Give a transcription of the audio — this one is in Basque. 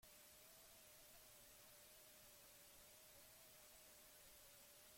Batetik, zenbait jendek aldaketa nahi zuen.